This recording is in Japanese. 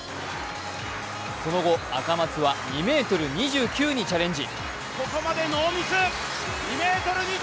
その後、赤松は２ｍ２９にチャレンジ。